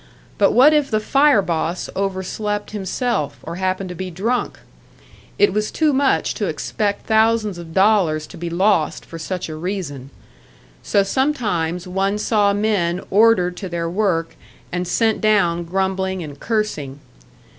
But what if the "fire boss" overslept himself, or happened to be drunk? It was too much to expect thousands of dollars to be lost for such a reason. So sometimes one saw men ordered to their work, and sent down grumbling and cursing.